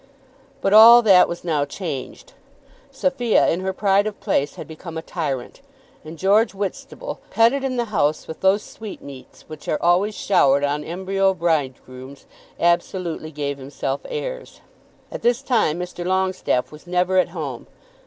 But all that was now changed. Sophia in her pride of place had become a tyrant, and George Whitstable, petted in the house with those sweetmeats which are always showered on embryo bridegrooms, absolutely gave himself airs. At this time Mr. Longestaffe was never at home.